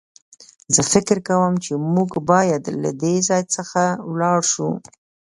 زه فکر کوم چې موږ بايد له دې ځای څخه ولاړ شو.